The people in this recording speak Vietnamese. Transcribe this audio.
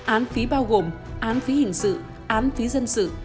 án phí bao gồm án phí hình sự án phí dân sự